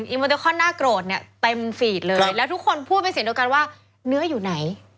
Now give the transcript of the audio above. โมเดอร์คอนน่าโกรธเนี่ยเต็มฟีดเลยแล้วทุกคนพูดเป็นเสียงเดียวกันว่าเนื้ออยู่ไหน